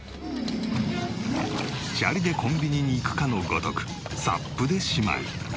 チャリでコンビニに行くかのごとくＳＵＰで島へ。